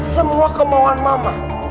semua kemauan mama